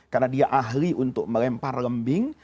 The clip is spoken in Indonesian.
karena dia ahli untuk melempar lembing